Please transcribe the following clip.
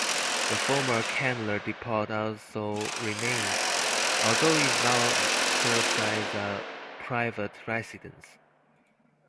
The former Chandler Depot also remains, although it now serves as a private residence.